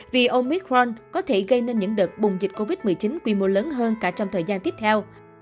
vì omit front có thể gây nên những đợt bùng dịch covid một mươi chín quy mô lớn hơn cả trong thời gian tiếp theo